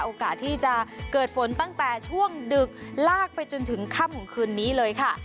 โอกาสที่จะเกิดฝนตั้งแต่ช่วงดึกลากไปจนถึงค่ำของคืนนี้เลยค่ะ